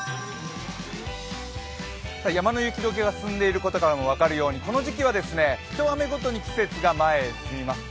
山の雪解けが進んでいることからも分かるように、この時期は、ひと雨ごとに季節が前へ進みます。